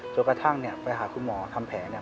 กระทั่งเนี่ยไปหาคุณหมอทำแผลเนี่ย